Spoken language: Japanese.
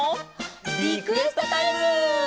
リクエストタイム！